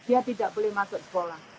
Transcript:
dia tidak boleh masuk sekolah